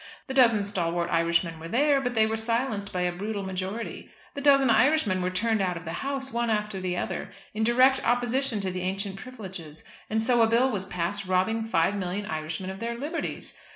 The dozen stalwart Irishmen were there, but they were silenced by a brutal majority. The dozen Irishmen were turned out of the House, one after the other, in direct opposition to the ancient privileges; and so a Bill was passed robbing five million Irishmen of their liberties.